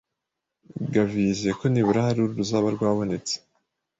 Gavi yizeye ko nibura hari uruzaba rwabonetse